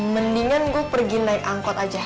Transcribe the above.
mendingan gue pergi naik angkot aja